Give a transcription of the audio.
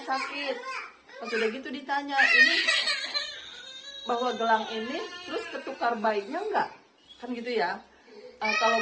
sakit udah gitu ditanya ini bahwa gelang ini terus ketukar baiknya enggak kan gitu ya kalau